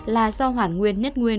là do hoàn nguyên nhất nguyên